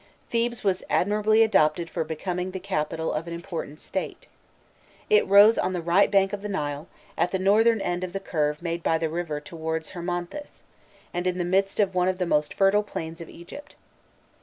Thebes was admirably adapted for becoming the capital of an important state. It rose on the right bank of the Nile, at the northern end of the curve made by the river towards Hermonthis, and in the midst of one of the most fertile plains of Egypt.